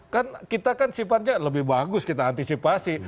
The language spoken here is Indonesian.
kan kita kan sifatnya lebih bagus kita antisipasi